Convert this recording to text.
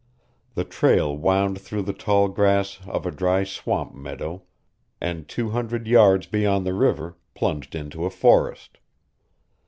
The trail wound through the tall grass of a dry swamp meadow and, two hundred yards beyond the river, plunged into a forest.